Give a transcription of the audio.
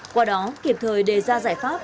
qua đó kịp thời đề ra giải pháp